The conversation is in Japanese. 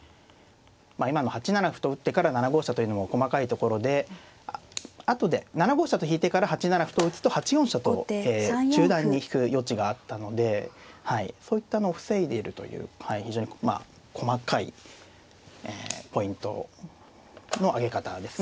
まあ今の８七歩と打ってから７五飛車というのも細かいところで後で７五飛車と引いてから８七歩と打つと８四飛車と中段に引く余地があったのでそういったのを防いでいるという非常にまあ細かいポイントのあげ方ですね